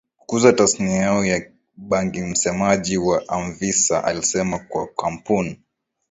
kukuza tasnia yao ya bangiMsemaji wa Anvisa alisema kuwa kampun